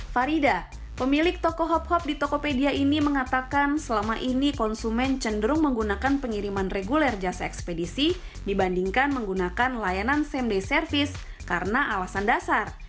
farida pemilik toko hub hub di tokopedia ini mengatakan selama ini konsumen cenderung menggunakan pengiriman reguler jasa ekspedisi dibandingkan menggunakan layanan sam day service karena alasan dasar